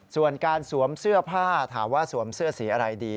ส่วนการสวมเสื้อผ้าถามว่าสวมเสื้อสีอะไรดี